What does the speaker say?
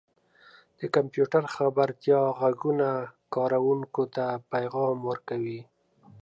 • د کمپیوټر خبرتیا ږغونه کاروونکو ته پیغام ورکوي.